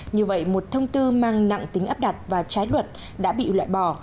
như vậy một thông tư mang nặng tính áp đặt và trái luật đã bị loại bỏ